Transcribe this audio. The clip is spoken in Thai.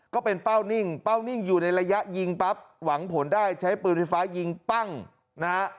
ก็เป็นเป้านิ่งเป้านิ่งอยู่ในระยะยิงปั๊บหวังผลได้ใช้ปืนไฟฟ้ายิงปั้งนะฮะ